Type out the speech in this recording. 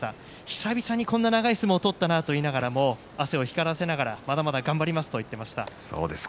久々にこんなに長い相撲を取ったなと言いながら汗を光らせながらまだまだ頑張りますと言っていました。